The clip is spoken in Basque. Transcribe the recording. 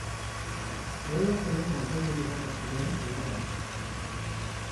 Suediako liga gehien irabazi duen taldea da.